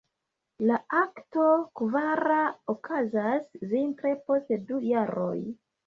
La akto kvara okazas vintre post du jaroj.